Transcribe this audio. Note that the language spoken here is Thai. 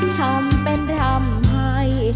ทำเป็นร่ำให้